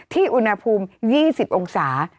อุณหภูมิ๒๐องศา